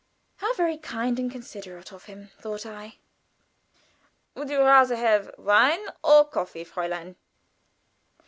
"How very kind and considerate of him!" thought I. "Would you rather have wine or coffee, Fräulein?"